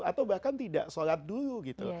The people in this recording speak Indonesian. atau bahkan tidak sholat dulu gitu